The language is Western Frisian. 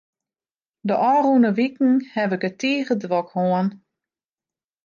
De ôfrûne wiken haw ik it tige drok hân.